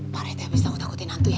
parete abis takut takutin hantu ya